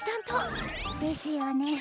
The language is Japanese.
ですよね。